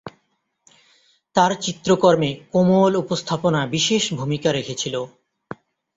তার চিত্রকর্মে কোমল উপস্থাপনা বিশেষ ভূমিকা রেখেছিল।